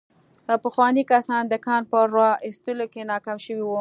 پخواني کسان د کان په را ايستلو کې ناکام شوي وو.